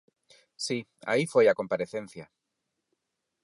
Si, aí foi a comparecencia.